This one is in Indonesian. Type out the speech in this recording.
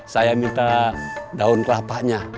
saya minta daun kelapanya